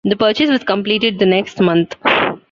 The purchase was completed the next month.